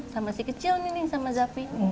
sama si kecil nih sama zafi